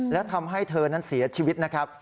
และทำให้เธอนั้นเสียชีวิตนะครับ